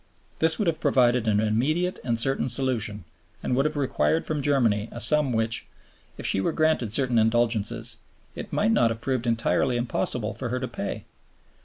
This would have provided an immediate and certain solution, and would have required from Germany a sum which, if she were granted certain indulgences, it might not have proved entirely impossible for her to pay.